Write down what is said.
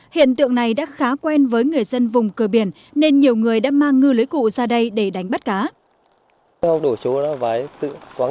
hiện tượng này đã khá quen với người dân vùng cửa biển nên nhiều người đã mang ngư lưới cụ ra đây để đánh bắt cá